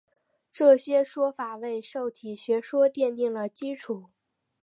这些说法为受体学说奠定了基础。